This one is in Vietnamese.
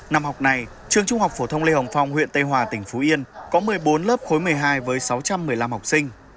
năm học này trường trung học phổ thông lê hồng phong huyện tây hòa tỉnh phú yên có một mươi bốn lớp khối một mươi hai với sáu trăm một mươi năm học sinh